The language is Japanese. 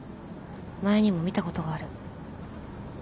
前にも見たことがある。